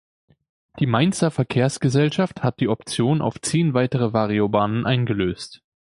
Die Mainzer Verkehrsgesellschaft hat die Option auf zehn weitere Variobahnen eingelöst.